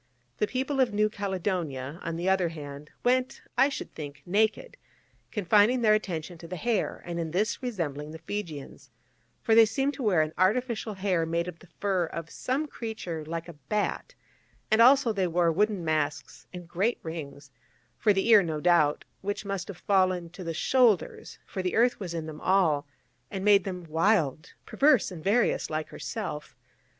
The people of New Caledonia, on the other hand, went, I should think, naked, confining their attention to the hair, and in this resembling the Fijians, for they seemed to wear an artificial hair made of the fur of some creature like a bat, and also they wore wooden masks, and great rings for the ear, no doubt which must have fallen to the shoulders: for the earth was in them all, and made them wild, perverse and various like herself.